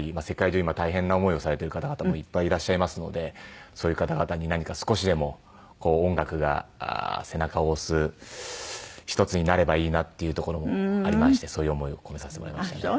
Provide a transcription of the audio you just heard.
世界中今大変な思いをされてる方々もいっぱいいらっしゃいますのでそういう方々に何か少しでも音楽が背中を押す一つになればいいなっていうところもありましてそういう思いを込めさせてもらいました。